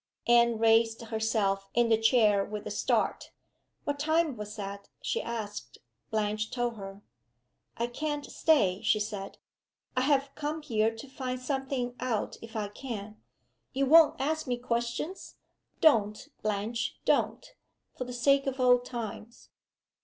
Anne raised herself in the chair with a start. "What time was that?" she asked. Blanche told her. "I can't stay," she said. "I have come here to find something out if I can. You won't ask me questions? Don't, Blanche, don't! for the sake of old times."